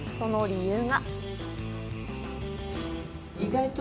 その理由が。